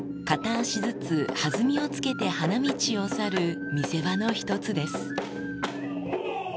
片足ずつ弾みをつけて花道を去る見せ場の一つです。